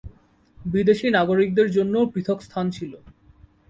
বিদেশী নাগরিকদের জন্যও পৃথক স্থান ছিল।